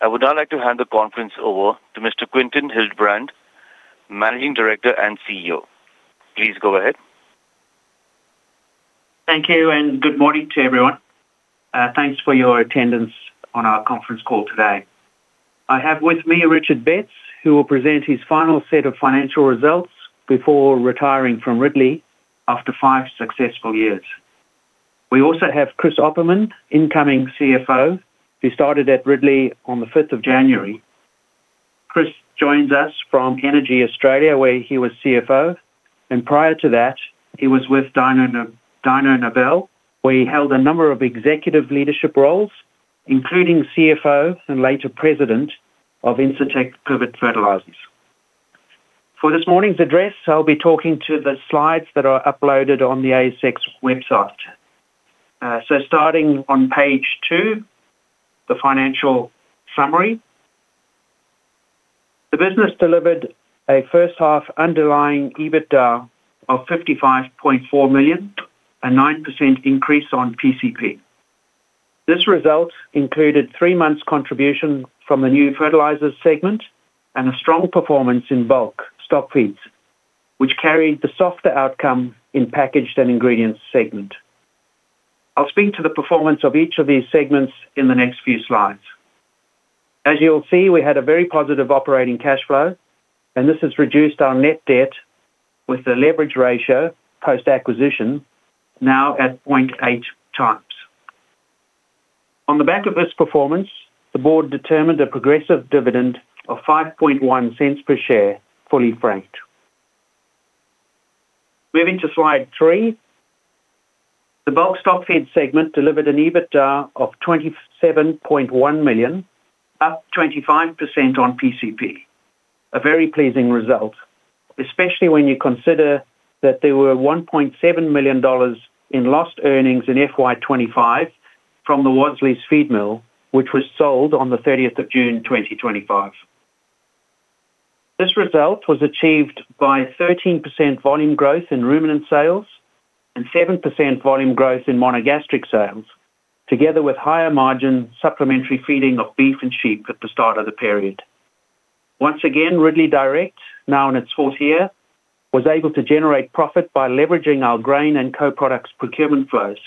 I would now like to hand the conference over to Mr. Quinton Hildebrand, Managing Director and CEO. Please go ahead. Thank you, good morning to everyone. Thanks for your attendance on our conference call today. I have with me Richard Betts, who will present his final set of financial results before retiring from Ridley after five successful years. We also have Chris Opperman, incoming CFO, who started at Ridley on the fifth of January. Chris joins us from EnergyAustralia, where he was CFO, and prior to that, he was with Dyno Nobel, where he held a number of executive leadership roles, including CFO and later President of Incitec Pivot Fertilisers. For this morning's address, I'll be talking to the slides that are uploaded on the ASX website. Starting on page 2, the financial summary. The business delivered a first-half underlying EBITDA of 55.4 million, a 9% increase on PCP. This result included 3 months contribution from the new fertilizers segment and a strong performance in bulk stock feeds, which carried the softer outcome in packaged and ingredients segment. I'll speak to the performance of each of these segments in the next few slides. As you'll see, we had a very positive operating cash flow, and this has reduced our net debt with the leverage ratio, post-acquisition, now at 0.8 times. On the back of this performance, the board determined a progressive dividend of 0.051 per share, fully franked. Moving to slide 3. The bulk stock feed segment delivered an EBITDA of 27.1 million, up 25% on PCP. A very pleasing result, especially when you consider that there were 1.7 million dollars in lost earnings in FY25 from the Wasleys Feedmill, which was sold on the 30th of June, 2025. This result was achieved by 13% volume growth in ruminant sales and 7% volume growth in monogastric sales, together with higher margin supplementary feeding of beef and sheep at the start of the period. Once again, Ridley DIRECT, now in its 4th year, was able to generate profit by leveraging our grain and co-products procurement flows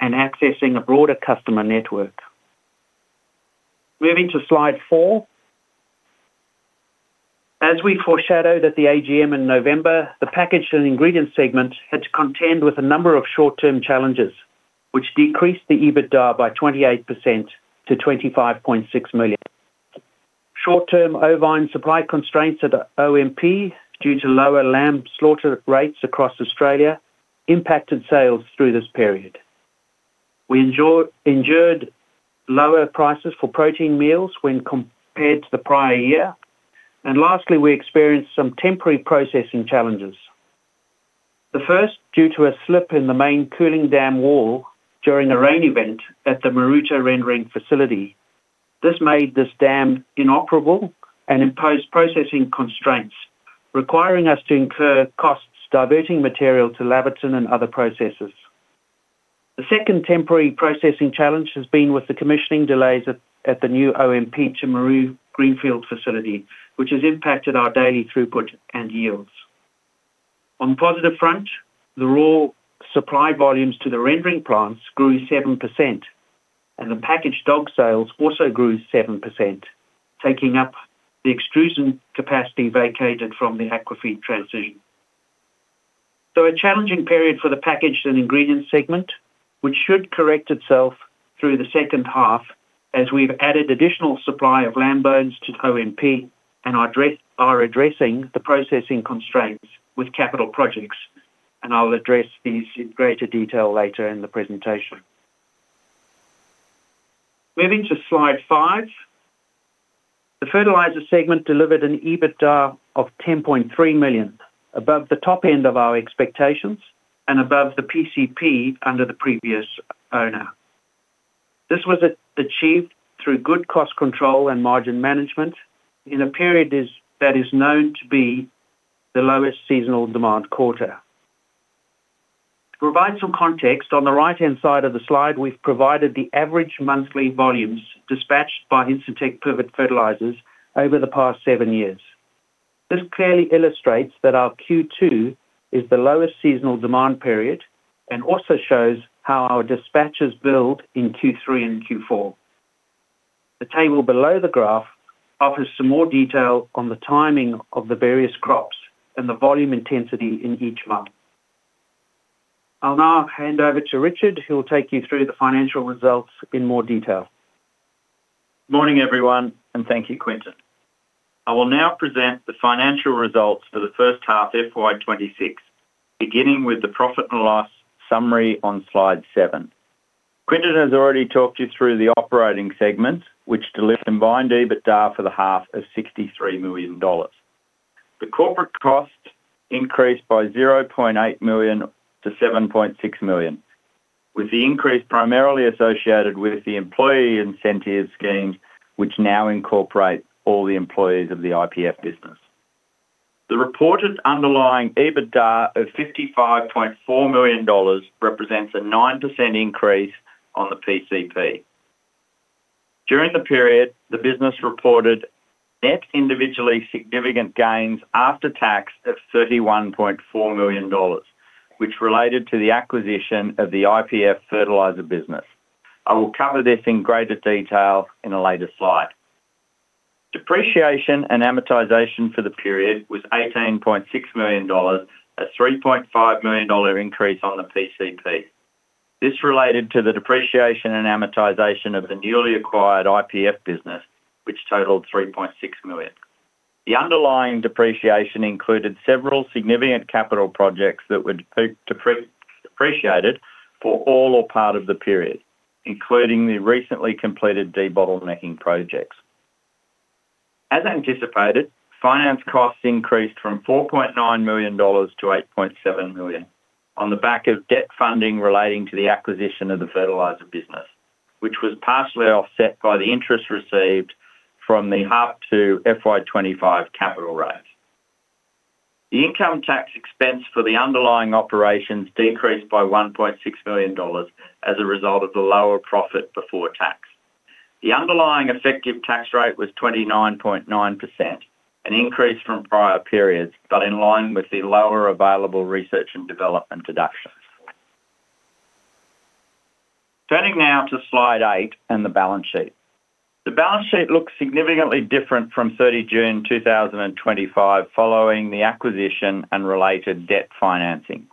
and accessing a broader customer network. Moving to slide 4. As we foreshadowed at the AGM in November, the packaged and ingredient segment had to contend with a number of short-term challenges, which decreased the EBITDA by 28% to 25.6 million. Short-term ovine supply constraints at OMP due to lower lamb slaughter rates across Australia impacted sales through this period. We endured lower prices for protein meals when compared to the prior year. Lastly, we experienced some temporary processing challenges. The first, due to a slip in the main cooling dam wall during a rain event at the Maroota rendering facility. This made this dam inoperable and imposed processing constraints, requiring us to incur costs, diverting material to Laverton and other processors. The second temporary processing challenge has been with the commissioning delays at the new OMP Timaru Greenfield facility, which has impacted our daily throughput and yields. On the positive front, the raw supply volumes to the rendering plants grew 7%, and the packaged dog sales also grew 7%, taking up the extrusion capacity vacated from the Aquafeed transition. A challenging period for the packaged and ingredient segment, which should correct itself through the second half as we've added additional supply of lamb bones to OMP and are addressing the processing constraints with capital projects. I'll address these in greater detail later in the presentation. Moving to slide five. The fertilizer segment delivered an EBITDA of 10.3 million, above the top end of our expectations and above the PCP under the previous owner. This was achieved through good cost control and margin management in a period that is known to be the lowest seasonal demand quarter. To provide some context, on the right-hand side of the slide, we've provided the average monthly volumes dispatched by Incitec Pivot Fertilisers over the past seven years. This clearly illustrates that our Q2 is the lowest seasonal demand period and also shows how our dispatches build in Q3 and Q4. The table below the graph offers some more detail on the timing of the various crops and the volume intensity in each month. I'll now hand over to Richard, who will take you through the financial results in more detail. Morning, everyone. Thank you, Quintin. I will now present the financial results for the first half FY26, beginning with the profit and loss summary on slide 7. Quintin has already talked you through the operating segments, which delivered combined EBITDA for the half of 63 million dollars. The corporate cost increased by 0.8 million to 7.6 million, with the increase primarily associated with the employee incentive schemes, which now incorporate all the employees of the IPF business. The reported underlying EBITDA of 55.4 million dollars represents a 9% increase on the PCP. During the period, the business reported net individually significant gains after tax of 31.4 million dollars, which related to the acquisition of the IPF Fertilisers business. I will cover this in greater detail in a later slide. Depreciation and amortization for the period was 18.6 million dollars, a 3.5 million dollar increase on the PCP. This related to the depreciation and amortization of the newly acquired IPF business, which totaled 3.6 million. The underlying depreciation included several significant capital projects that were depreciated for all or part of the period, including the recently completed debottlenecking projects. As anticipated, finance costs increased from 4.9 million dollars to 8.7 million, on the back of debt funding relating to the acquisition of the fertilizer business, which was partially offset by the interest received from the half 2 FY25 capital raise. The income tax expense for the underlying operations decreased by 1.6 million dollars as a result of the lower profit before tax. The underlying effective tax rate was 29.9%, an increase from prior periods, but in line with the lower available research and development deductions. Turning now to slide 8 and the balance sheet. The balance sheet looks significantly different from 30 June 2025, following the acquisition and related debt financing.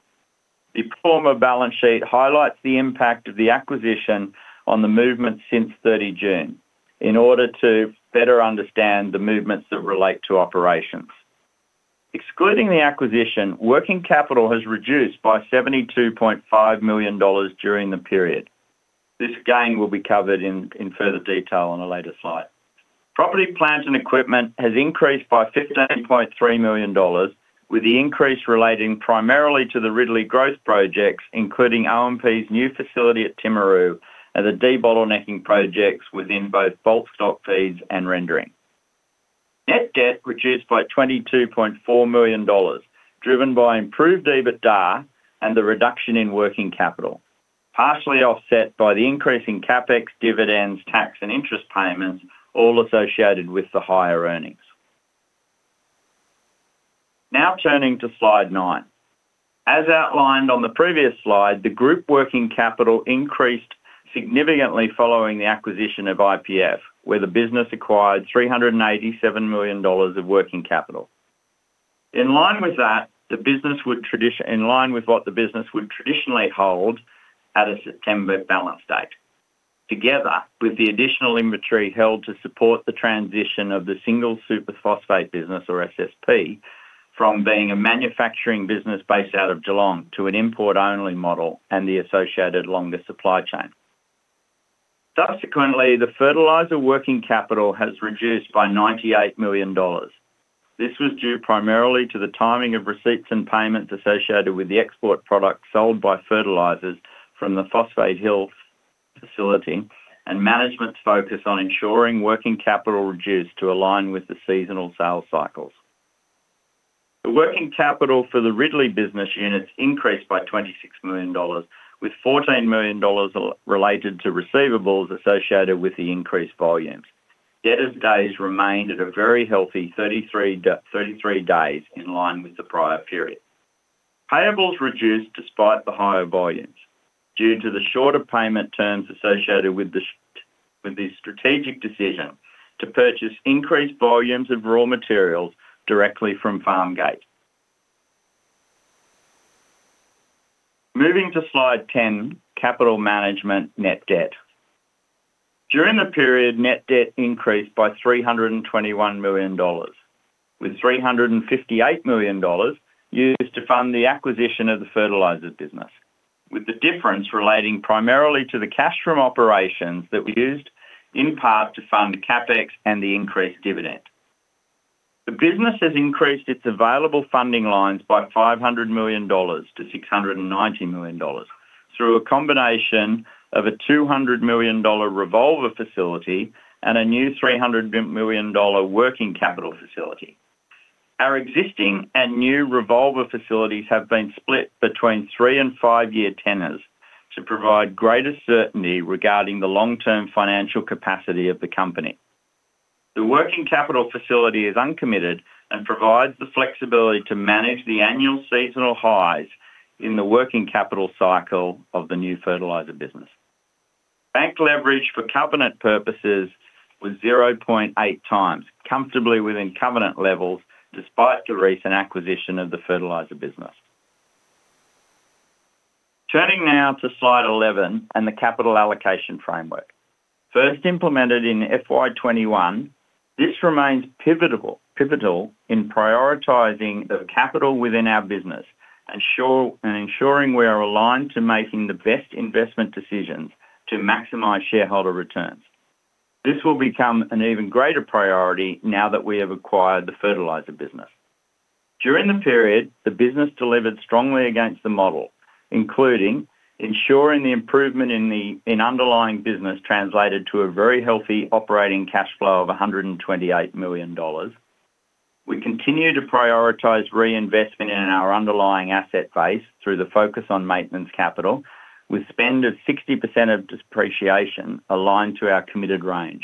The pro forma balance sheet highlights the impact of the acquisition on the movement since 30 June, in order to better understand the movements that relate to operations. Excluding the acquisition, working capital has reduced by 72.5 million dollars during the period. This gain will be covered in further detail on a later slide. Property, plant, and equipment has increased by 15.3 million dollars, with the increase relating primarily to the Ridley growth projects, including OMP's new facility at Timaru and the debottlenecking projects within both bulk stock feeds and rendering. Net debt reduced by 22.4 million dollars, driven by improved EBITDA and the reduction in working capital, partially offset by the increase in CapEx, dividends, tax, and interest payments, all associated with the higher earnings. Turning to slide 9. As outlined on the previous slide, the group working capital increased significantly following the acquisition of IPF, where the business acquired 387 millions dollars of working capital. In line with what the business would traditionally hold at a September balance date, together with the additional inventory held to support the transition of the single super phosphate business, or SSP, from being a manufacturing business based out of Geelong to an import-only model and the associated longer supply chain. Subsequently, the fertilizer working capital has reduced by $98 million. This was due primarily to the timing of receipts and payments associated with the export products sold by fertilizers from the Phosphate Hill facility and management's focus on ensuring working capital reduced to align with the seasonal sales cycles. The working capital for the Ridley business units increased by $26 million, with $14 million related to receivables associated with the increased volumes. Debtors days remained at a very healthy 33 days, in line with the prior period. Payables reduced despite the higher volumes, due to the shorter payment terms associated with the strategic decision to purchase increased volumes of raw materials directly from Farm Gate. Moving to slide 10, capital management net debt. During the period, net debt increased by AUD 321 million, with AUD 358 million used to fund the acquisition of the fertilizers business, with the difference relating primarily to the cash from operations that we used in part to fund CapEx and the increased dividend. The business has increased its available funding lines by 500 million dollars to 690 million dollars, through a combination of a 200 million dollar revolver facility and a new 300 million dollar working capital facility. Our existing and new revolver facilities have been split between 3 and 5-year tenors to provide greater certainty regarding the long-term financial capacity of the company. The working capital facility is uncommitted and provides the flexibility to manage the annual seasonal highs in the working capital cycle of the new fertilizer business. Bank leverage for covenant purposes was 0.8 times, comfortably within covenant levels, despite the recent acquisition of the fertilizer business. Turning now to slide 11 and the capital allocation framework. First implemented in FY21, this remains pivotal in prioritizing the capital within our business and ensuring we are aligned to making the best investment decisions to maximize shareholder returns. This will become an even greater priority now that we have acquired the fertilizer business. During the period, the business delivered strongly against the model.... including ensuring the improvement in underlying business translated to a very healthy operating cash flow of 128 million dollars. We continue to prioritize reinvestment in our underlying asset base through the focus on maintenance capital, with spend of 60% of depreciation aligned to our committed range.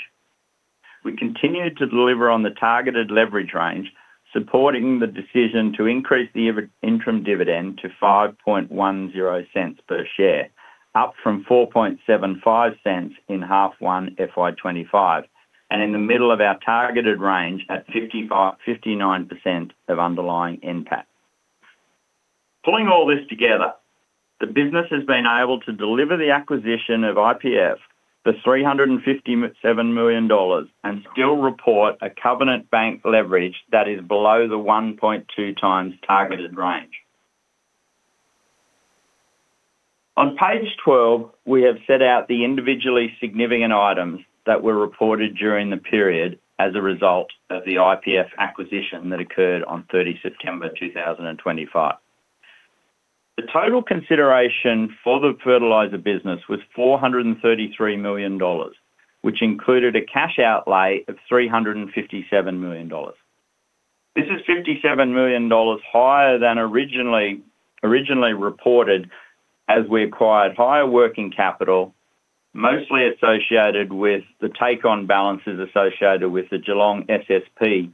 We continued to deliver on the targeted leverage range, supporting the decision to increase the interim dividend to 0.0510 per share, up from 0.0475 in half one FY25, and in the middle of our targeted range at 59% of underlying NPAT. Pulling all this together, the business has been able to deliver the acquisition of IPF for 357 million dollars and still report a covenant bank leverage that is below the 1.2 times targeted range. On page 12, we have set out the individually significant items that were reported during the period as a result of the IPF acquisition that occurred on 30 September 2025. The total consideration for the fertilizer business was 433 million dollars, which included a cash outlay of 357 million dollars. This is 57 million dollars higher than originally reported, as we acquired higher working capital, mostly associated with the take-on balances associated with the Geelong SSP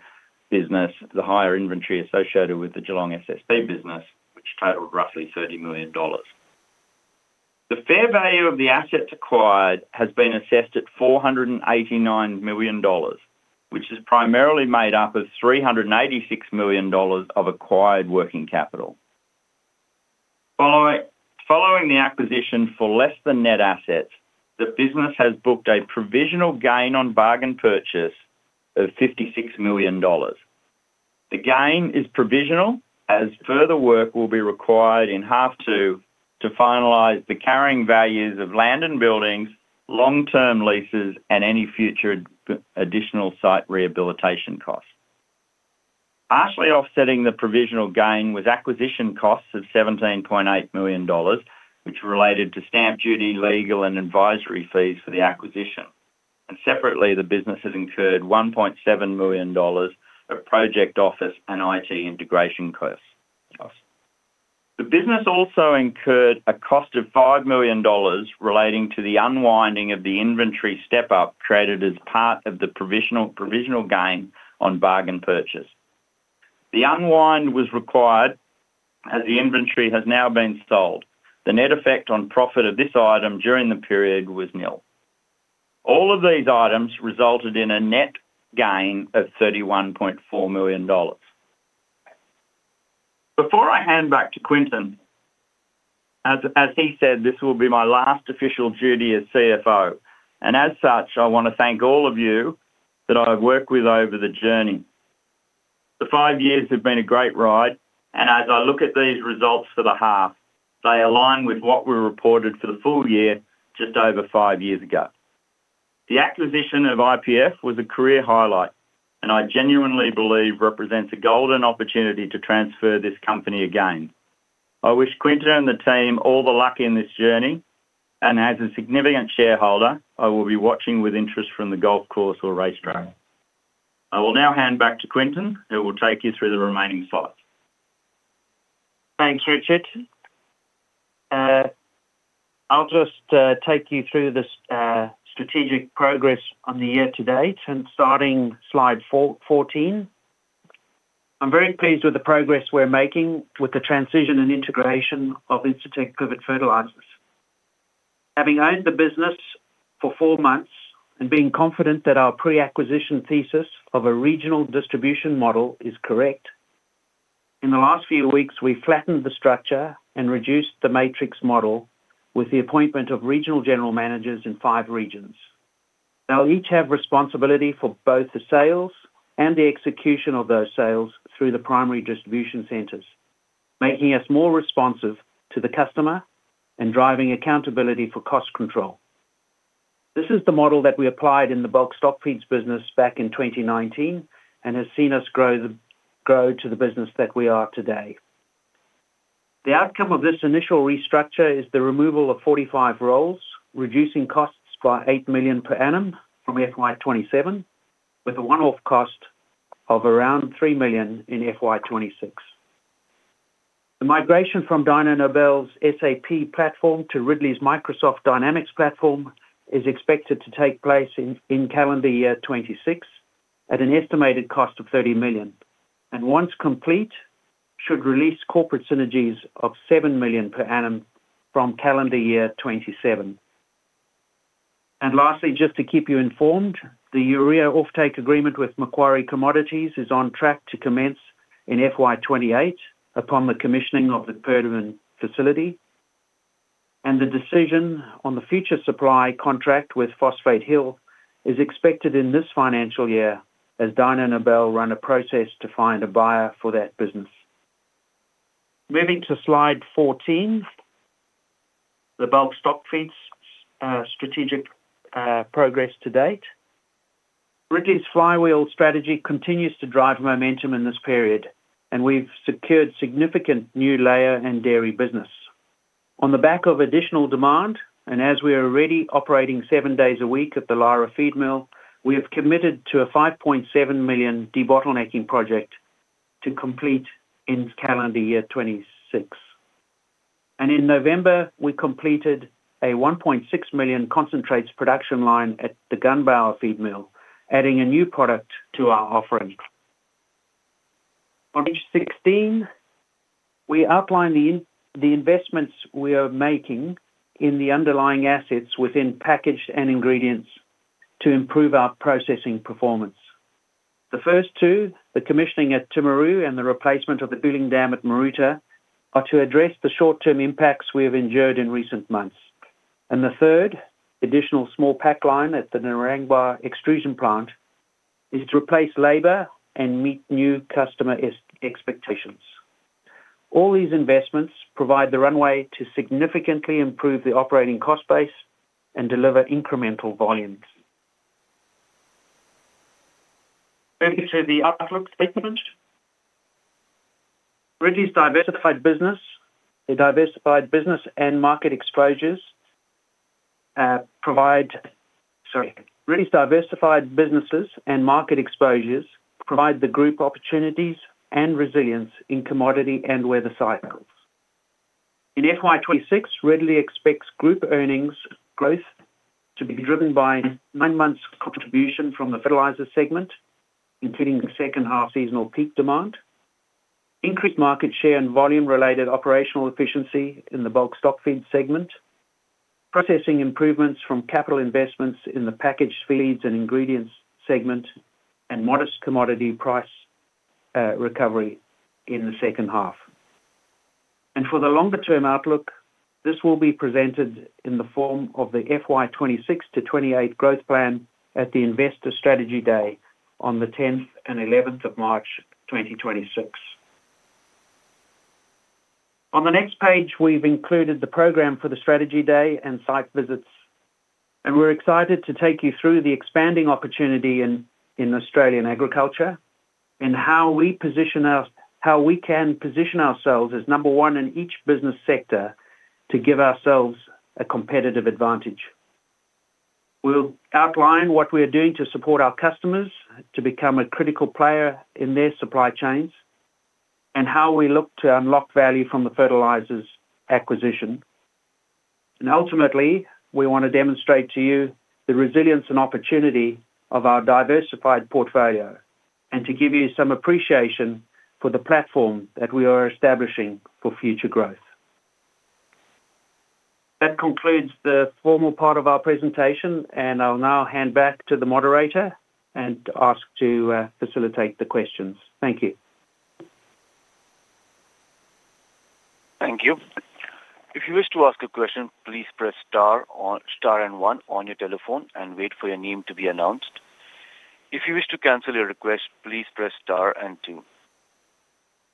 business, the higher inventory associated with the Geelong SSP business, which totaled roughly 30 million dollars. The fair value of the assets acquired has been assessed at 489 million dollars, which is primarily made up of 386 millions dollars of acquired working capital. Following the acquisition for less than net assets, the business has booked a provisional gain on bargain purchase of 56 million dollars. The gain is provisional, as further work will be required in half two to finalize the carrying values of land and buildings, long-term leases, and any future additional site rehabilitation costs. Partially offsetting the provisional gain was acquisition costs of 17.8 million dollars, which are related to stamp duty, legal, and advisory fees for the acquisition. Separately, the business has incurred 1.7 millions dollars of project office and IT integration costs. The business also incurred a cost of 5 million dollars relating to the unwinding of the inventory step-up created as part of the provisional gain on bargain purchase. The unwind was required as the inventory has now been sold. The net effect on profit of this item during the period was nil. All of these items resulted in a net gain of 31.4 million dollars. Before I hand back to Quintin, as he said, this will be my last official duty as CFO, and as such, I want to thank all of you that I've worked with over the journey. The five years have been a great ride, and as I look at these results for the half, they align with what we reported for the full year just over five years ago. The acquisition of IPF was a career highlight and I genuinely believe represents a golden opportunity to transfer this company again. I wish Quintin and the team all the luck in this journey, and as a significant shareholder, I will be watching with interest from the golf course or racetrack. I will now hand back to Quinton, who will take you through the remaining slides. Thanks, Richard. I'll just take you through this strategic progress on the year to date and starting slide 4-14. I'm very pleased with the progress we're making with the transition and integration of Incitec Pivot Fertilisers. Having owned the business for four months and being confident that our pre-acquisition thesis of a regional distribution model is correct, in the last few weeks, we flattened the structure and reduced the matrix model with the appointment of regional general managers in five regions. They'll each have responsibility for both the sales and the execution of those sales through the primary distribution centers, making us more responsive to the customer and driving accountability for cost control. This is the model that we applied in the bulk stock feeds business back in 2019 and has seen us grow to the business that we are today. The outcome of this initial restructure is the removal of 45 roles, reducing costs by 8 million per annum from FY27, with a one-off cost of around 3 million in FY26. The migration from Dyno Nobel's SAP platform to Ridley's Microsoft Dynamics platform is expected to take place in calendar year 2026 at an estimated cost of 30 million, and once complete, should release corporate synergies of 7 million per annum from calendar year 2027. Lastly, just to keep you informed, the urea offtake agreement with Macquarie Commodities is on track to commence in FY28 upon the commissioning of the Perdaman facility, and the decision on the future supply contract with Phosphate Hill is expected in this financial year, as Dyno Nobel run a process to find a buyer for that business. Moving to slide 14, the bulk stockfeeds, strategic progress to date. Ridley's flywheel strategy continues to drive momentum in this period, and we've secured significant new layer and dairy business. On the back of additional demand, and as we are already operating 7 days a week at the Lara feed mill, we have committed to a 5.7 million debottlenecking project to complete in calendar year 2026. In November, we completed a 1.6 million concentrates production line at the Gunbower feed mill, adding a new product to our offering. On page 16, we outline the investments we are making in the underlying assets within packaged and ingredients to improve our processing performance. The first two, the commissioning at Timaru and the replacement of the bunding dam at Maroota, are to address the short-term impacts we have endured in recent months. The third, additional small pack line at the Narangba extrusion plant, is to replace labor and meet new customer expectations. All these investments provide the runway to significantly improve the operating cost base and deliver incremental volumes. Moving to the outlook statement. Ridley's diversified businesses and market exposures provide the group opportunities and resilience in commodity and weather cycles. In FY26, Ridley expects group earnings growth to be driven by nine months contribution from the fertilizers segment, including the second half seasonal peak demand, increased market share and volume-related operational efficiency in the bulk stockfeed segment, processing improvements from capital investments in the packaged feeds and ingredients segment, and modest commodity price recovery in the second half. For the longer-term outlook, this will be presented in the form of the FY26 to FY28 growth plan at the Investor Strategy Day on the 10th and 11th of March, 2026. On the next page, we've included the program for the Strategy Day and site visits, we're excited to take you through the expanding opportunity in Australian agriculture and how we can position ourselves as number one in each business sector to give ourselves a competitive advantage. We'll outline what we are doing to support our customers to become a critical player in their supply chains and how we look to unlock value from the Fertilizers acquisition. Ultimately, we want to demonstrate to you the resilience and opportunity of our diversified portfolio and to give you some appreciation for the platform that we are establishing for future growth. That concludes the formal part of our presentation, and I'll now hand back to the moderator and ask to facilitate the questions. Thank you. Thank you. If you wish to ask a question, please press star and one on your telephone and wait for your name to be announced. If you wish to cancel your request, please press star and two.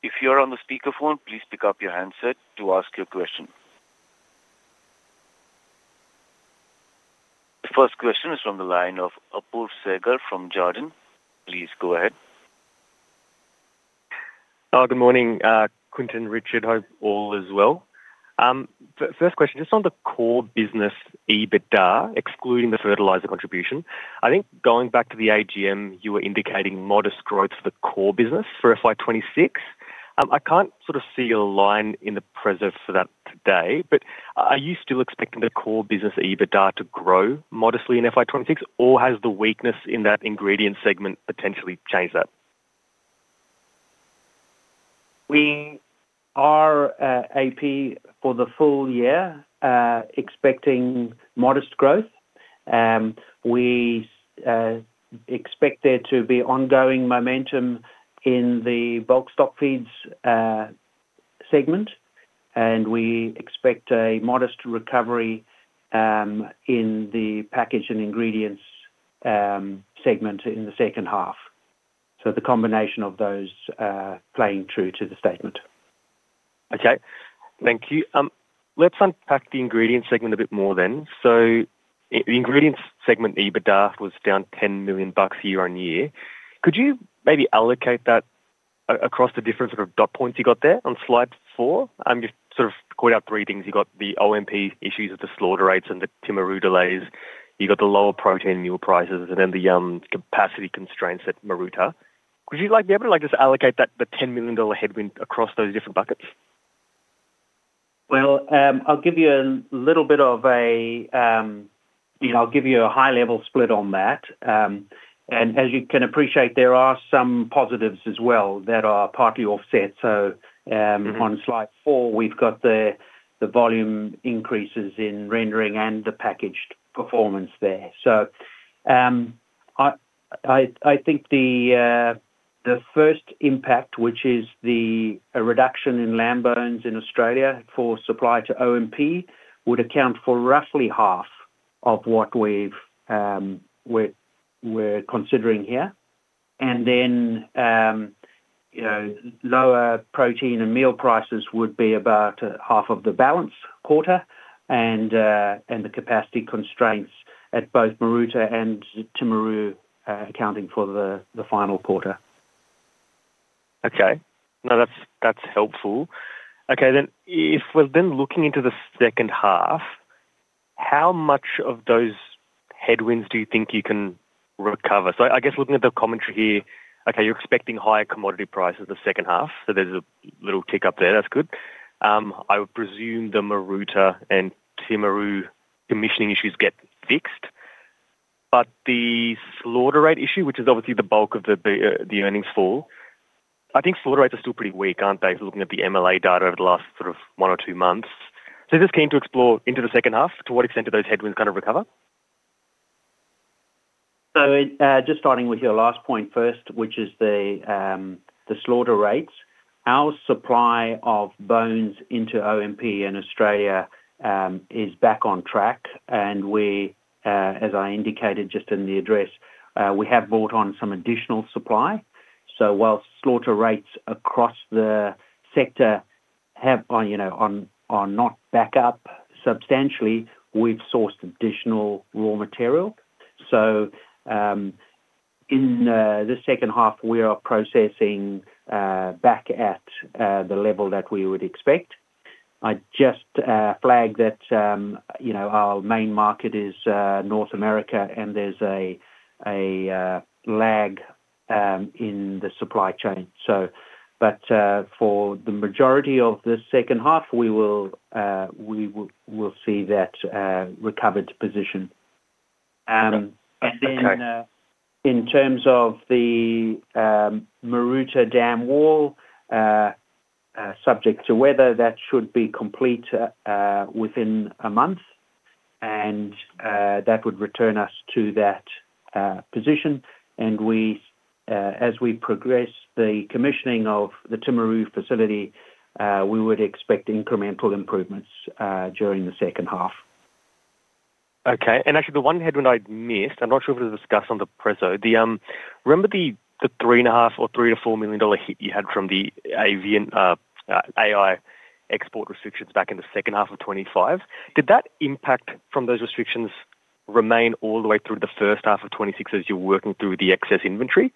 If you are on the speaker phone, please pick up your handset to ask your question. The first question is from the line of Apoorv Sehgal from Jarden. Please go ahead. Good morning, Quinton, Richard. Hope all is well. First question, just on the core business EBITDA, excluding the fertilizer contribution, I think going back to the AGM, you were indicating modest growth for the core business for FY26. I can't sort of see a line in the present for that today, but are you still expecting the core business EBITDA to grow modestly in FY26, or has the weakness in that ingredient segment potentially changed that? We are AP for the full year expecting modest growth. We expect there to be ongoing momentum in the bulk stock feeds segment, and we expect a modest recovery in the packaged and ingredients segment in the second half. The combination of those playing true to the statement. Okay. Thank you. Let's unpack the ingredient segment a bit more then. The ingredients segment, EBITDA was down 10 million bucks year-on-year. Could you maybe allocate that across the different sort of dot points you got there on slide 4? You sort of called out three things. You got the OMP issues with the slaughter rates and the Timaru delays, you got the lower protein meal prices, and then the capacity constraints at Maroota. Would you, like, be able to, like, just allocate that, the 10 million dollar headwind across those different buckets? I'll give you a little bit of a high-level split on that. There are some positives as well that are partly offset. On Slide 4, we've got the volume increases in rendering and the packaged performance there. The first impact, a reduction in lamb bones in Australia for supply to OMP, would account for roughly half of what we're considering here. Lower protein and meal prices would be about half of the balance quarter and the capacity constraints at both Maroota and Timaru accounting for the final quarter. Okay. No, that's helpful. If we're looking into the second half, how much of those headwinds do you think you can recover? I guess looking at the commentary here, you're expecting higher commodity prices the second half, there's a little tick up there. That's good. I would presume the Maroota and Timaru commissioning issues get fixed. The slaughter rate issue, which is obviously the bulk of the earnings fall, I think slaughter rates are still pretty weak, aren't they? Looking at the MLA data over the last sort of one or two months. Just keen to explore into the second half, to what extent do those headwinds kind of recover? Just starting with your last point first, which is the slaughter rates. Our supply of bones into OMP in Australia is back on track, and we, as I indicated just in the address, we have brought on some additional supply. While slaughter rates across the sector have, you know, are not back up substantially, we've sourced additional raw material. In the second half, we are processing back at the level that we would expect. I just flag that, you know, our main market is North America, and there's a lag in the supply chain, so. For the majority of the second half, we'll see that recovered position. Okay. Then, in terms of the Maroota dam wall, subject to weather, that should be complete within a month, and that would return us to that position. We, as we progress the commissioning of the Timaru facility, we would expect incremental improvements during the second half. Okay. Actually, the one headwind I'd missed, I'm not sure if it was discussed on the preso, remember the three and a half million dollar or AUD 3 million-AUD 4 million hit you had from the avian AI export restrictions back in the second half of 2025? Did that impact from those restrictions remain all the way through the first half of 2026 as you're working through the excess inventory?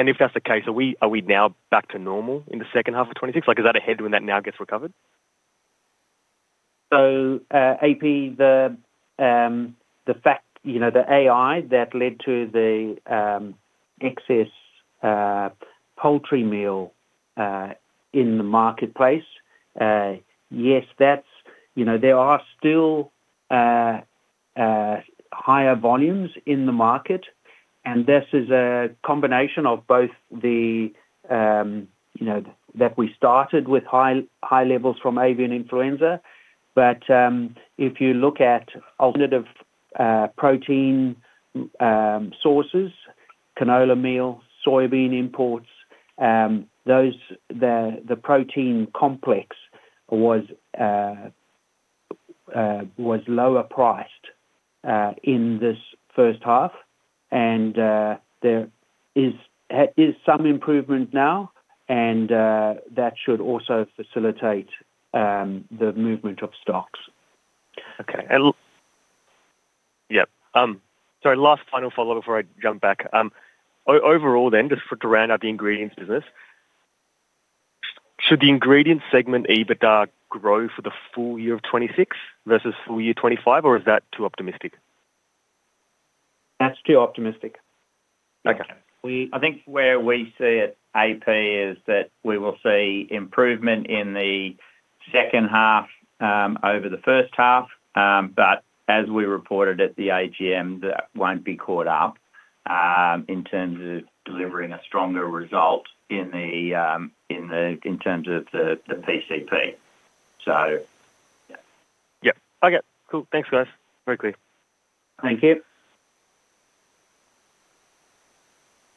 If that's the case, are we, are we now back to normal in the second half of 2026? Like, is that a headwind that now gets recovered? AP, the fact, you know, the AI that led to the excess poultry meal in the marketplace, yes, that's, you know, there are still higher volumes in the market, and this is a combination of both, you know, that we started with high levels from avian influenza. If you look at alternative protein sources, canola meal, soybean imports, those, the protein complex was lower priced in this first half, and there is some improvement now, and that should also facilitate the movement of stocks. Okay. Yeah. Sorry, last final follow-up before I jump back. Overall then, just for, to round out the ingredients business, should the ingredients segment EBITDA grow for FY26 versus FY25, or is that too optimistic? That's too optimistic. Okay. We, I think where we see it, AP, is that we will see improvement in the second half over the first half. As we reported at the AGM, that won't be caught up in terms of delivering a stronger result in terms of the PCP. Yeah. Yeah. Okay, cool. Thanks, guys. Very clear. Thank you.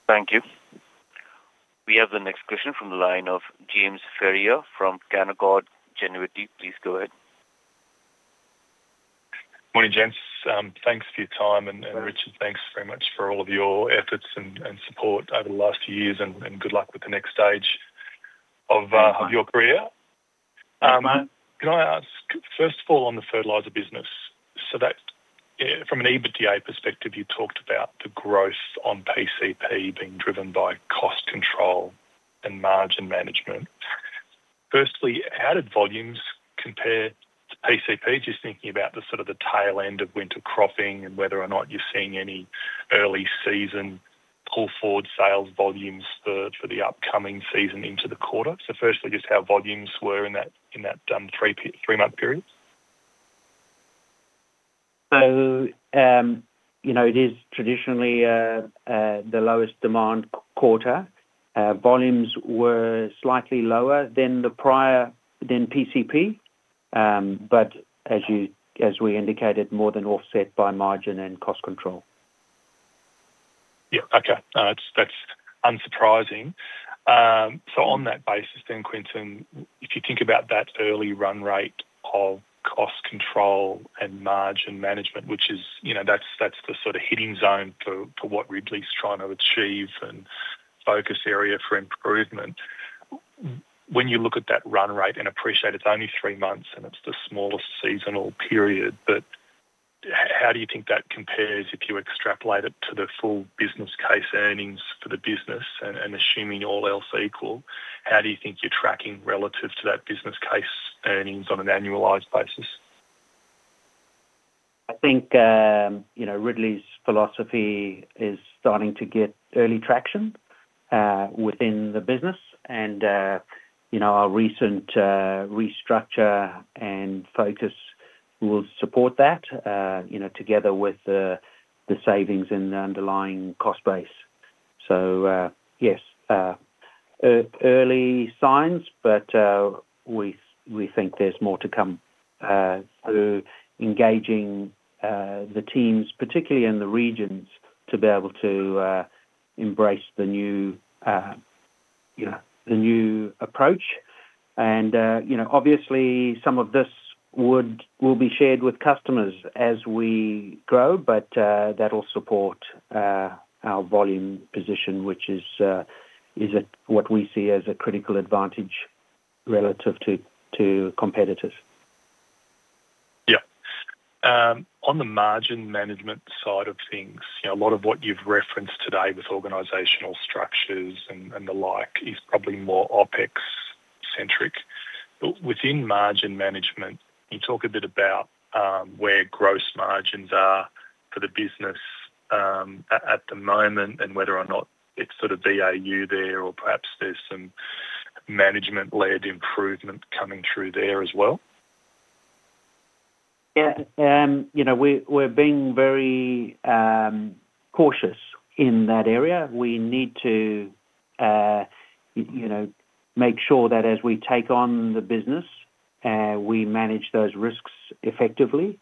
Thank you. We have the next question from the line of James Ferrier from Canaccord Genuity. Please go ahead. Morning, gents. Thanks for your time. Thanks. Richard, thanks very much for all of your efforts and support over the last years, and good luck with the next stage of. Thanks. your career. Can I ask, first of all, on the fertilizer business, that, from an EBITDA perspective, you talked about the growth on PCP being driven by cost control and margin management. Firstly, how did volumes compare to PCP? Just thinking about the sort of the tail end of winter cropping and whether or not you're seeing any early season pull-forward sales volumes for the upcoming season into the quarter. Firstly, just how volumes were in that three-month period. You know, it is traditionally the lowest demand quarter. Volumes were slightly lower than the prior, than PCP, but as we indicated, more than offset by margin and cost control. Yeah, okay. that's unsurprising. On that basis then, Quintin, if you think about that early run rate of cost control and margin management, which is, you know, that's the sort of hitting zone for what Ridley's trying to achieve and focus area for improvement. When you look at that run rate and appreciate it's only 3 months and it's the smallest seasonal period, but how do you think that compares if you extrapolate it to the full business case earnings for the business and assuming all else equal, how do you think you're tracking relative to that business case earnings on an annualized basis? I think, you know, Ridley's philosophy is starting to get early traction within the business and, you know, our recent restructure and focus will support that, you know, together with the savings and the underlying cost base. So, yes, early signs, but, we think there's more to come through engaging the teams, particularly in the regions, to be able to embrace the new, you know, the new approach. And, you know, obviously, some of this will be shared with customers as we grow, but, that will support our volume position, which is at what we see as a critical advantage relative to competitors. Yeah. On the margin management side of things, you know, a lot of what you've referenced today with organizational structures and the like, is probably more OpEx-centric. Within margin management, can you talk a bit about where gross margins are for the business, at the moment and whether or not it's sort of BAU there, or perhaps there's some management-led improvement coming through there as well? Yeah. you know, we're being very cautious in that area. We need to you know, make sure that as we take on the business, we manage those risks effectively.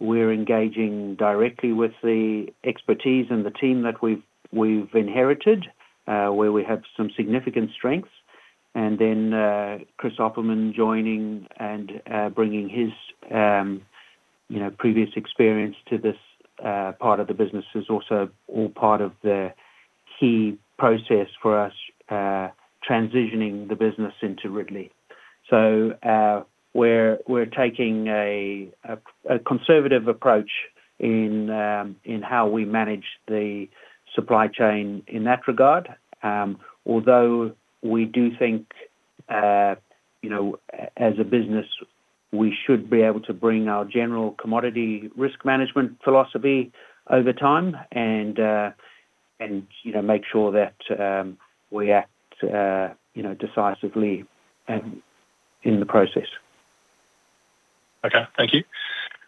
We're engaging directly with the expertise and the team that we've inherited, where we have some significant strengths. Chris Opperman joining and bringing his you know, previous experience to this part of the business is also all part of the key process for us, transitioning the business into Ridley. We're taking a conservative approach in how we manage the supply chain in that regard. Although we do think, you know, as a business, we should be able to bring our general commodity risk management philosophy over time and, you know, make sure that, we act, you know, decisively, in the process. Okay, thank you.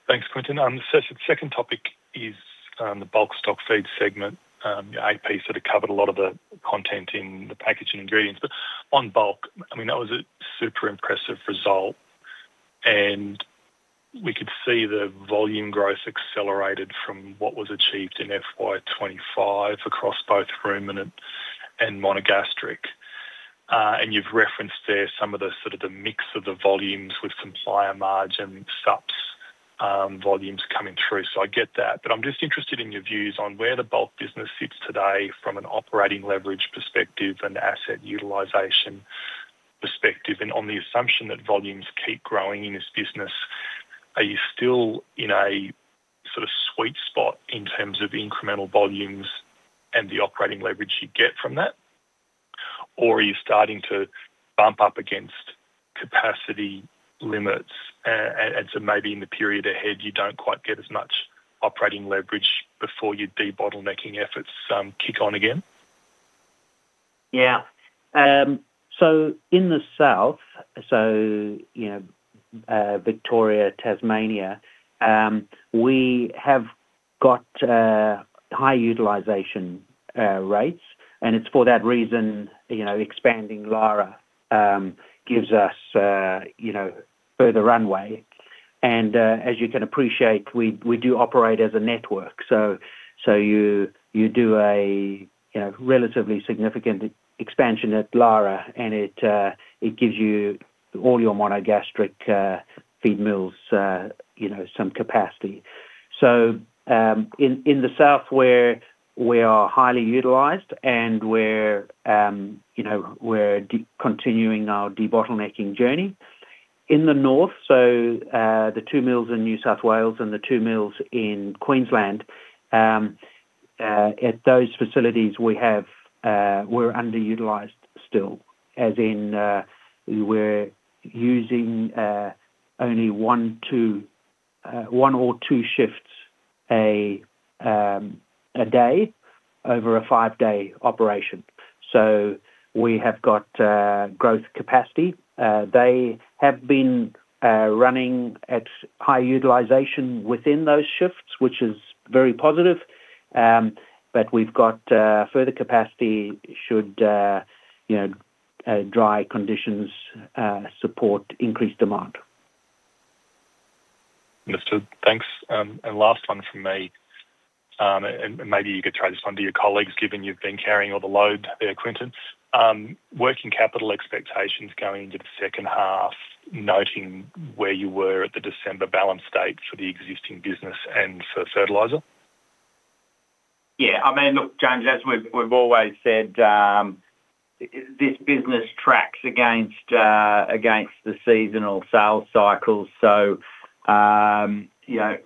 Thanks, Quentin. The second topic is the bulk stock feed segment. Your AP sort of covered a lot of the content in the packaging ingredients, but on bulk, I mean, that was a super impressive result, and we could see the volume growth accelerated from what was achieved in FY25 across both ruminant and monogastric. You've referenced there some of the sort of the mix of the volumes with supplier margin supps, volumes coming through, so I get that. I'm just interested in your views on where the bulk business sits today from an operating leverage perspective and asset utilization perspective, and on the assumption that volumes keep growing in this business, are you still in a sort of sweet spot in terms of incremental volumes and the operating leverage you get from that? Are you starting to bump up against capacity limits, and so maybe in the period ahead, you don't quite get as much operating leverage before your debottlenecking efforts, kick on again? In the south, so, you know, Victoria, Tasmania, we have got high utilization rates, and it's for that reason, you know, expanding Lara, gives us, you know, further runway. As you can appreciate, we do operate as a network, so you do a, you know, relatively significant expansion at Lara, and it gives you all your monogastric feed mills, you know, some capacity. In the south where we are highly utilized and we're, you know, continuing our debottlenecking journey. In the north, the 2 mills in New South Wales and the 2 mills in Queensland, at those facilities, we have, we're underutilized still, as in, we're using only 1 or 2 shifts a day over a 5-day operation. We have got growth capacity. They have been running at high utilization within those shifts, which is very positive, but we've got further capacity should, you know, dry conditions support increased demand. Understood. Thanks. Last one from me, and maybe you could throw this one to your colleagues, given you've been carrying all the load, Quinton. Working capital expectations going into the second half, noting where you were at the December balance date for the existing business and for fertilizer? I mean, look, James, as we've always said, this business tracks against the seasonal sales cycles. You know,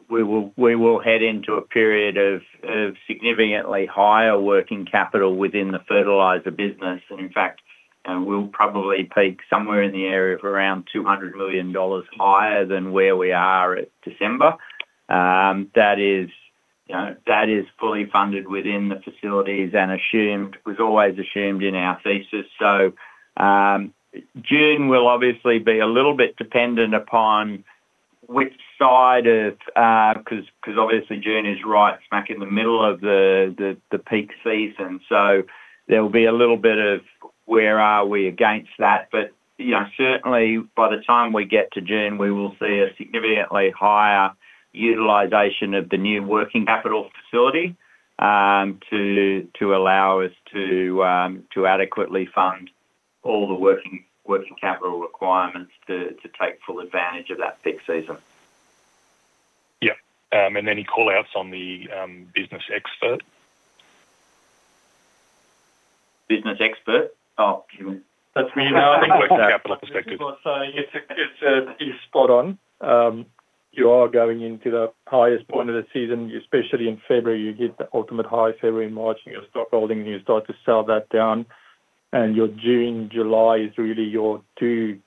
we will head into a period of significantly higher working capital within the fertilizer business. In fact, and we'll probably peak somewhere in the area of around 200 million dollars higher than where we are at December. That is, you know, that is fully funded within the facilities and assumed, was always assumed in our thesis. June will obviously be a little bit dependent upon which side of... Obviously June is right smack in the middle of the peak season. There will be a little bit of where are we against that? You know, certainly by the time we get to June, we will see a significantly higher utilization of the new working capital facility, to allow us to adequately fund all the working capital requirements to take full advantage of that peak season. Yeah, any call outs on the business expert? Business expert? Oh, you? That's me now, I think. Working capital perspective. Yes, it is spot on. You are going into the highest point of the season, especially in February. You hit the ultimate high February and March, and your stock holding, and you start to sell that down, and your June, July is really your 2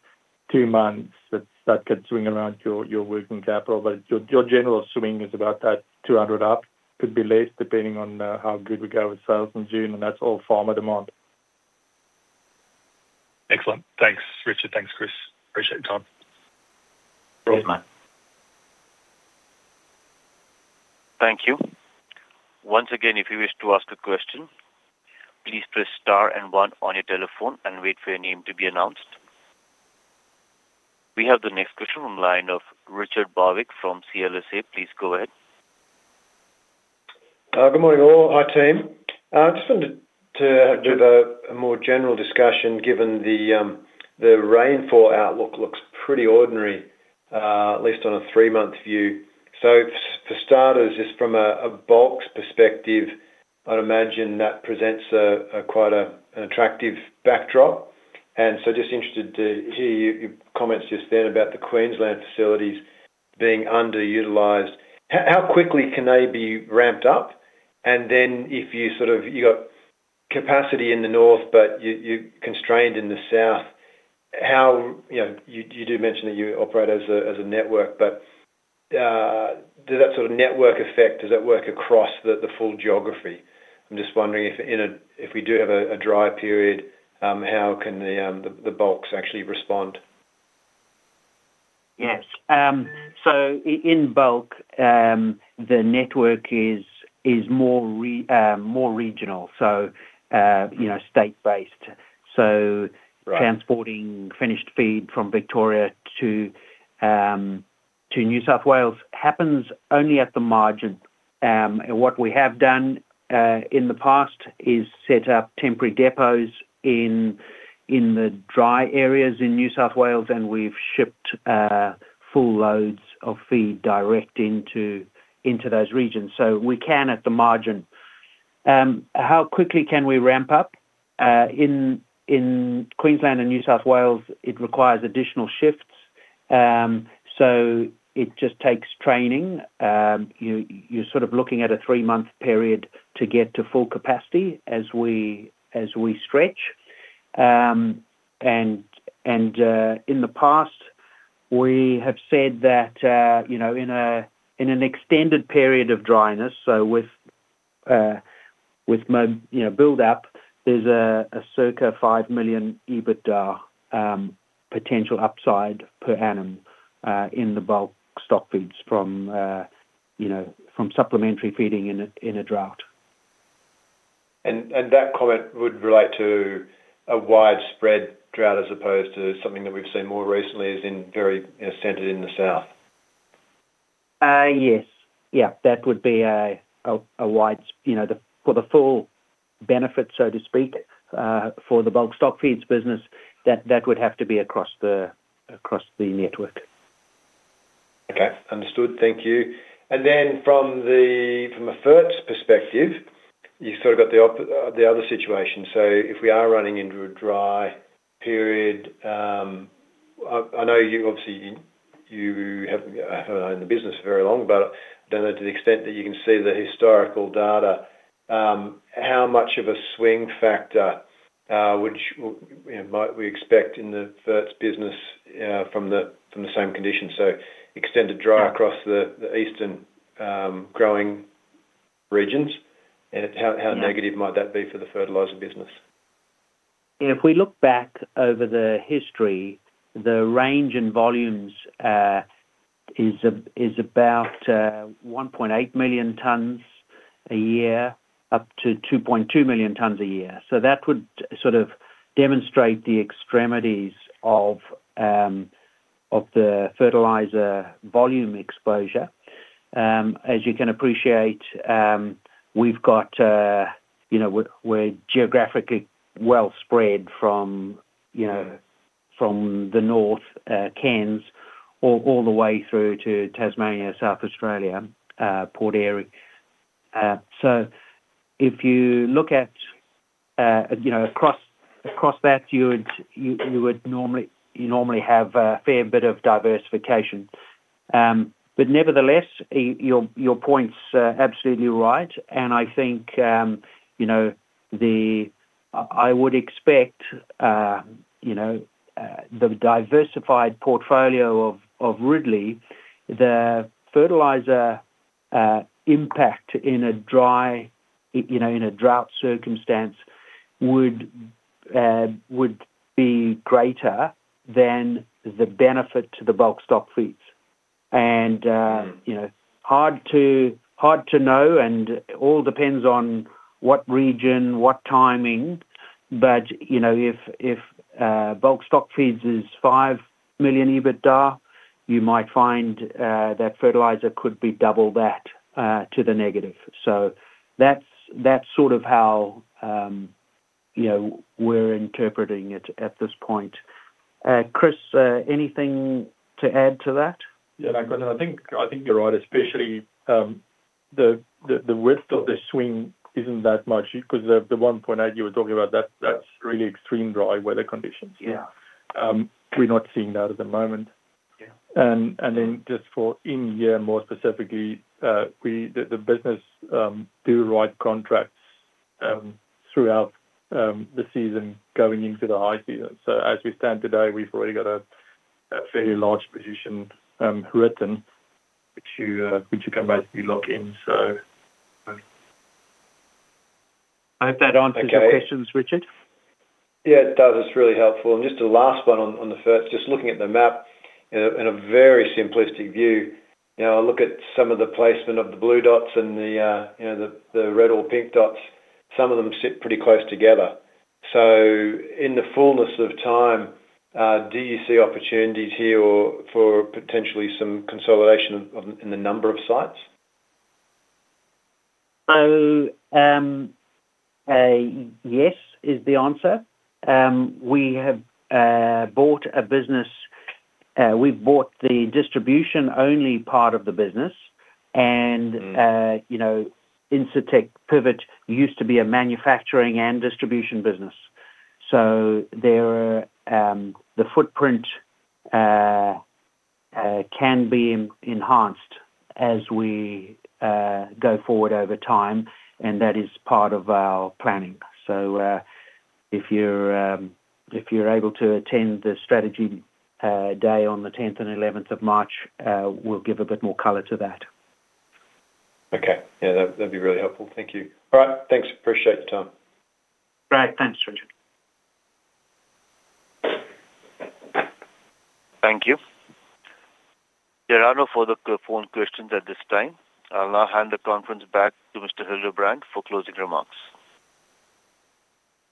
months that that could swing around your working capital. Your general swing is about that 200 up, could be less, depending on how good we go with sales in June. That's all farmer demand. Excellent. Thanks, Richard. Thanks, Chris. Appreciate your time. Thanks, mate. Thank you. Once again, if you wish to ask a question, please press Star and One on your telephone and wait for your name to be announced. We have the next question on the line of Richard Barwick from CLSA. Please go ahead. Good morning, all. Hi, team. I just wanted to do a more general discussion, given the rainfall outlook looks pretty ordinary, at least on a three-month view. For starters, just from a bulks perspective, I'd imagine that presents a quite an attractive backdrop. Just interested to hear your comments just then about the Queensland facilities being underutilized. How quickly can they be ramped up? Then if you sort of, you got capacity in the north, but you're constrained in the south, how. You know, you do mention that you operate as a network, does that sort of network effect, does that work across the full geography? I'm just wondering if in a, if we do have a dry period, how can the, the bulks actually respond? Yes. In bulk, the network is more regional, you know, state-based. Right... transporting finished feed from Victoria to New South Wales happens only at the margin. What we have done in the past is set up temporary depots in the dry areas in New South Wales, and we've shipped full loads of feed direct into those regions. So we can at the margin. How quickly can we ramp up? In Queensland and New South Wales, it requires additional shifts. It just takes training. You're sort of looking at a three-month period to get to full capacity as we stretch. In the past, we have said that, you know, in an extended period of dryness, so with you know, buildup, there's a circa 5 million EBITDA potential upside per annum in the bulk stock feeds from, you know, from supplementary feeding in a drought. That comment would relate to a widespread drought as opposed to something that we've seen more recently is in very, you know, centered in the south? Yes. Yeah, that would be a wide, you know, for the full benefit, so to speak, for the bulk stock feeds business, that would have to be across the network. Okay, understood. Thank you. From the, from a fert perspective, you've sort of got the other situation. If we are running into a dry period, I know you obviously, you haven't been in the business very long, but I don't know to the extent that you can see the historical data, how much of a swing factor might we expect in the fert business from the same conditions? Extended dry across the eastern growing regions, and how... Yeah... how negative might that be for the fertilizer business? If we look back over the history, the range in volumes is about 1.8 million tons a year, up to 2.2 million tons a year. That would sort of demonstrate the extremities of the fertilizer volume exposure. As you can appreciate, you know, we're geographically well spread from, you know, from the North, Cairns, all the way through to Tasmania, South Australia, Port Pirie. If you look at, you know, across that, you will normally have a fair bit of diversification. Nevertheless, your point's absolutely right, I think, you know, I would expect the diversified portfolio of Ridley, the fertilizer impact in a dry, in a drought circumstance would be greater than the benefit to the bulk stock feeds. You know, hard to know, it all depends on what region, what timing. You know, if bulk stock feeds are 5 million EBITDA, you might find that fertilizer could be 2x that to the negative. That's sort of how, you know, we're interpreting it at this point. Chris, anything to add to that? Yeah, look, I think, I think you're right, especially, the width of the swing isn't that much because the 1.8 you were talking about, that's really extreme dry weather conditions. Yeah. We're not seeing that at the moment. Yeah. Just for in here, more specifically, the business does write contracts throughout the season going into the high season. As we stand today, we've already got a fairly large position written, which you can basically lock in, so. I hope that answers your questions, Richard. Yeah, it does. It's really helpful. Just the last one on the first, just looking at the map in a, in a very simplistic view, you know, I look at some of the placement of the blue dots and the, you know, the red or pink dots. Some of them sit pretty close together. In the fullness of time, do you see opportunities here or for potentially some consolidation of, in the number of sites? Yes, is the answer. We have bought a business; we've bought the distribution-only part of the business. Mm. you know, Incitec Pivot used to be a manufacturing and distribution business. There are, the footprint can be enhanced as we go forward over time, and that is part of our planning. If you're able to attend the strategy day on the tenth and eleventh of March, we'll give a bit more color to that. Okay. Yeah, that'd be really helpful. Thank you. All right, thanks. Appreciate the time. Great. Thanks, Richard. Thank you. There are no further phone questions at this time. I'll now hand the conference back to Mr. Hildebrand for closing remarks.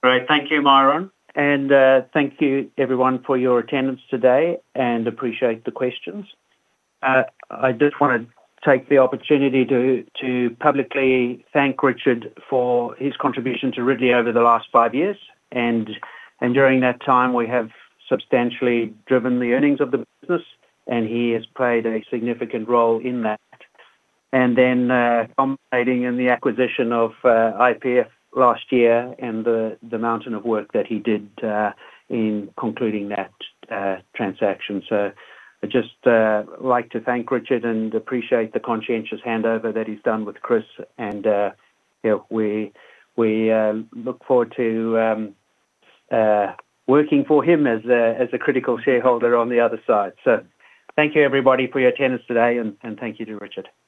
Great. Thank you, Myron, and thank you everyone for your attendance today and appreciate the questions. I just want to take the opportunity to publicly thank Richard for his contribution to Ridley over the last five years, and during that time, we have substantially driven the earnings of the business, and he has played a significant role in that. Then, culminating in the acquisition of IPF last year and the mountain of work that he did in concluding that transaction. I'd just like to thank Richard and appreciate the conscientious handover that he's done with Chris and, you know, we look forward to working for him as a critical shareholder on the other side. Thank you, everybody, for your attendance today, and thank you to Richard. Cheers.